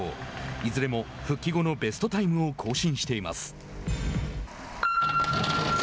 いずれも復帰後のベストタイムを更新しています。